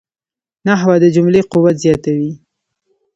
نحوه د جملې قوت زیاتوي.